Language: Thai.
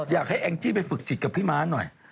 แองจี้ไปฝึกจิตกับพี่ม้าหน่อย